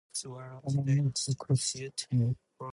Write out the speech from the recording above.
The Remontalou crosses the commune.